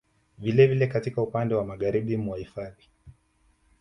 Vile vile katika upande wa magharibi mwa hifadhi